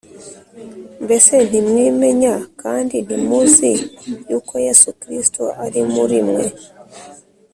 Mbese ntimwimenya, kandi ntimuzi yuko Yesu Kristo ari muri mwe?